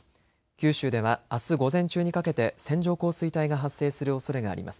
九州ではあす午前中にかけて線状降水帯が発生するおそれがあります。